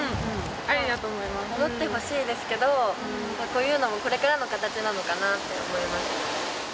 戻ってほしいですけど、こういうのも、これからの形なのかなって思います。